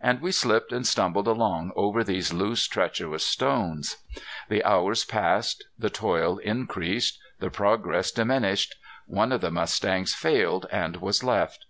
And we slipped and stumbled along over these loose, treacherous stones. The hours passed; the toil increased; the progress diminished; one of the mustangs failed and was left.